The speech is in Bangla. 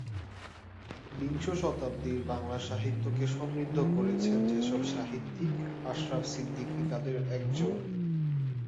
বিংশ শতাব্দীর বাংলা সাহিত্যকে সমৃদ্ধ করেছেন যেসব সাহিত্যিক, আশরাফ সিদ্দিকী তাদের একজন।